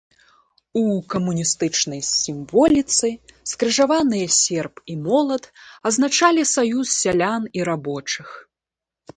У камуністычнай сімволіцы скрыжаваныя серп і молат азначалі саюз сялян і рабочых.